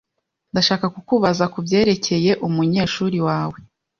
Ndashaka kukubaza kubyerekeye umunyeshuri wawe.